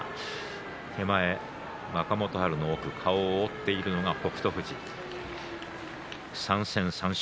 手前、若元春の奥顔を覆っているのが北勝富士３戦３勝。